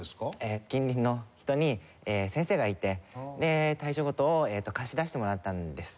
近隣の人に先生がいて大正琴を貸し出してもらったんです。